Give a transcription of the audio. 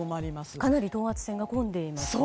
かなり等圧線が混んでいますね。